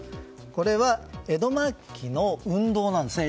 これは江戸末期の運動なんですね。